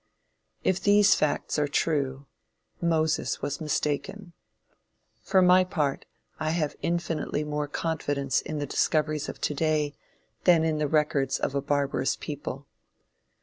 If these facts are true, Moses was mistaken. For my part, I have infinitely more confidence in the discoveries of to day, than in the records of a barbarous people.